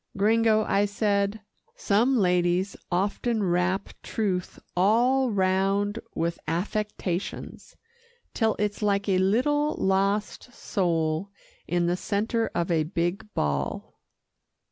"Gringo," I said, "some ladies often wrap truth all round with affectations, till it's like a little lost soul in the centre of a big ball."